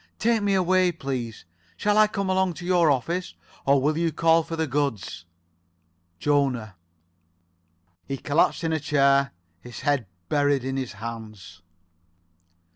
Take me away, please. Shall I come along to your office, or will you call for the goods? Jona." He collapsed in a chair, his head buried in his hands.